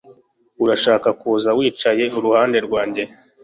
Urashaka kuza wicaye iruhande rwanjye